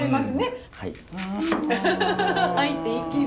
はい。